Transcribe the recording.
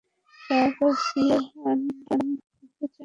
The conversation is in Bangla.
সব সিউয়ানরা ওকে চেনে।